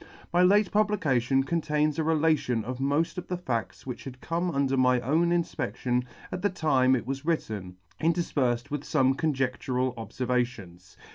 My late publication contains a relation of moft of the fadts which had come under my own infpedtion at the time it was written, interfperfed with fome conjedtural obfervations.